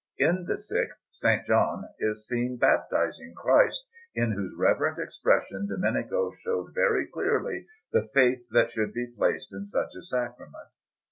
In the sixth S. John is seen baptizing Christ, in whose reverent expression Domenico showed very clearly the faith that should be placed in such a Sacrament.